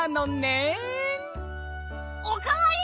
おかわり！